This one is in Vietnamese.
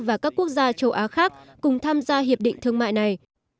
và các quốc gia châu á khác cùng tham gia hiệp định thương mại này